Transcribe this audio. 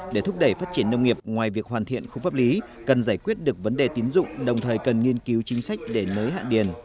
để thúc đẩy phát triển nông nghiệp ngoài việc hoàn thiện khung pháp lý cần giải quyết được vấn đề tín dụng đồng thời cần nghiên cứu chính sách để nới hạn điền